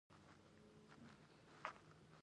ایا ستاسو اوږې به قوي وي؟